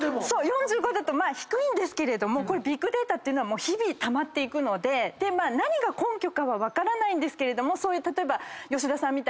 ４５だと低いんですけどもビッグデータっていうのは日々たまっていくので何が根拠かは分からないですけど例えば吉田さんみたいに。